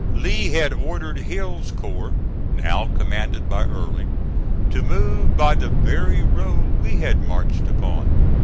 Lee had ordered Hill's corps now commanded by Early to move by the very road we had marched upon.